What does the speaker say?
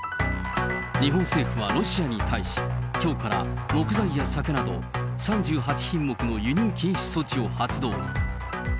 日本政府はロシアに対し、きょうから木材や酒など、３８品目の輸入禁止措置を発動。